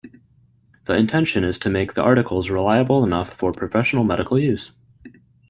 The intention is to make the articles reliable enough for professional medical use.